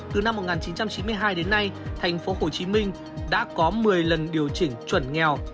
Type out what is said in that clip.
từ năm một nghìn chín trăm chín mươi hai đến nay thành phố hồ chí minh đã có một mươi lần điều chỉnh chuẩn nghèo